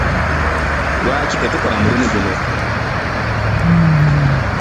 Lwaki tetukola mulimu gumu?